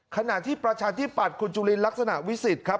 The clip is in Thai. ขณะที่ประชาธิปัตย์คุณจุลินลักษณะวิสิทธิ์ครับ